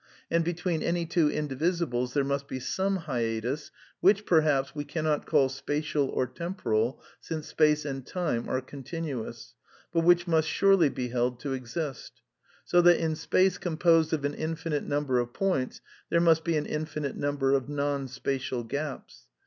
And between any two indivisibles there must be same hiatus which, perhaps, we cannot call spatial or temporal, since space and time are continuous, but which ^^^^Y^nust surely be held to exist ; so that in space composed of an infinite number of points there must be an infinite num ber of nouHspatial gaps.